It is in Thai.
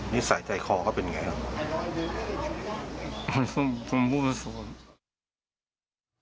นี่ใส่ใจคอก็เป็นอย่างไร